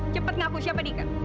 cepat ngaku siapa dika